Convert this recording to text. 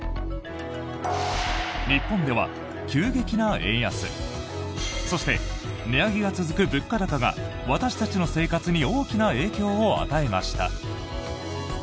日本では急激な円安そして、値上げが続く物価高が私たちの生活に大きな影響を与えました。